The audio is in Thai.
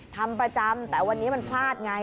ทำประจำแต่วันนี้มันพลาดไง